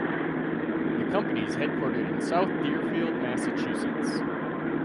The company is headquartered in South Deerfield, Massachusetts.